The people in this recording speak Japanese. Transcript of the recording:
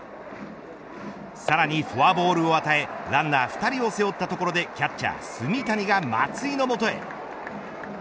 さらにフォアボールを与えランナー２人を背負ったところでキャッチャー炭谷が松井の元へ。